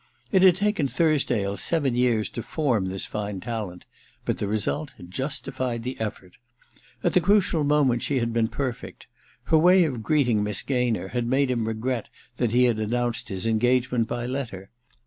It had taken Thursdale seven years to form this fine talent ; but the result justified the effort. At the crucial moment she had been perfect : her way of greeting Miss Gaynor had made him regret that he had announced his engagement by letter.